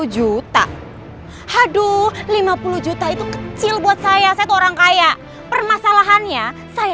lima puluh juta haduh lima puluh juta itu kecil buat saya saya orang kaya permasalahannya saya